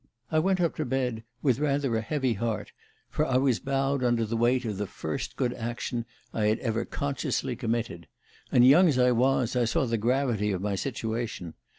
"I went up to bed with rather a heavy heart, for I was bowed under the weight of the first good action I had ever consciously committed; and young as I was, I saw the gravity of my situation.